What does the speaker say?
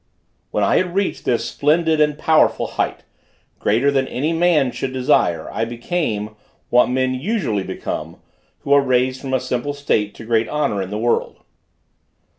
When I had reached this splendid and powerful height, greater than any man should desire, I became, what men usually become, who are raised from a simple state to great honor in the world.